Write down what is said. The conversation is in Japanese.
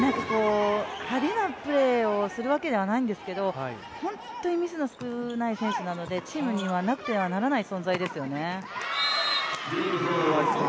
派手なプレーをするわけではないんですけど本当にミスの少ない選手なのでチームにはなくてはならない存在ですよね。